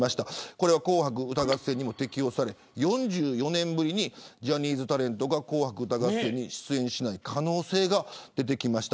これは紅白歌合戦にも適用され４４年ぶりにジャニーズタレントが紅白歌合戦に出演しない可能性が出てきました。